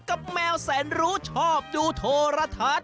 แมวแสนรู้ชอบดูโทรทัศน์